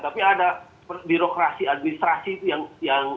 tapi ada birokrasi administrasi itu yang